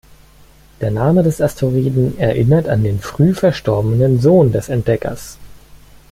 Der Name des Asteroiden erinnert an den früh verstorbenen Sohn des Entdeckers.